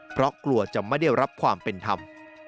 เพราะกลัวจะไม่ได้รับความเป็นธรรม